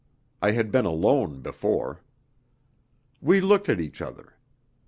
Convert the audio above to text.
I had been alone before. We looked at each other.